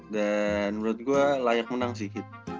dan menurut gua layak menang sih